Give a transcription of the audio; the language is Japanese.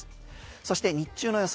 そして日中の予想